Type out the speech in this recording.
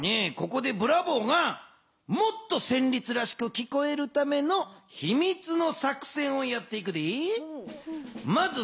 ここでブラボーがもっとせんりつらしくきこえるためのひみつの作戦をやっていくで。